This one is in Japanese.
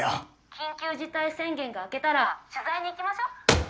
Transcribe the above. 緊急事態宣言が明けたら取材に行きましょう。